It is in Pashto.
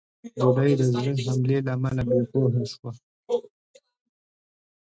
بوډۍ د زړه حملې له امله بېهوشه شوه.